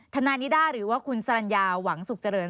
ทนายนิด้าหรือว่าคุณสรรญาหวังสุขเจริญ